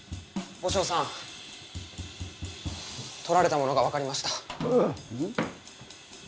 和尚さんとられたものが分かりました。